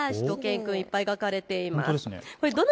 しゅと犬くん、いっぱい描かれています。